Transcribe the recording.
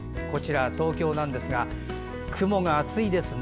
東京なんですが雲が厚いですね。